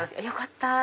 よかった！